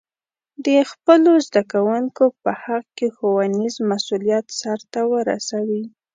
د خپلو زده کوونکو په حق کې ښوونیز مسؤلیت سرته ورسوي.